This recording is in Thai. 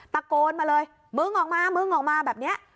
ตะโกนมาเลยมึงออกมามึงออกมาแบบนี้